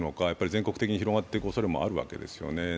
全国的に広がっていくおそれもあるわけですよね。